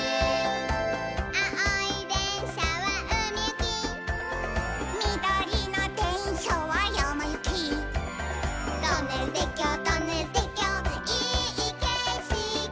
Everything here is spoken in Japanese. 「あおいでんしゃはうみゆき」「みどりのでんしゃはやまゆき」「トンネルてっきょうトンネルてっきょういいけしき」